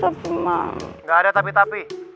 enggak ada tapi tapi